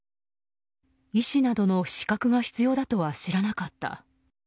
医師などの資格が必要だとは知らなかった。